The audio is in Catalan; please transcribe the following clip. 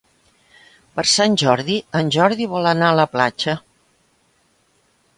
Per Sant Jordi en Jordi vol anar a la platja.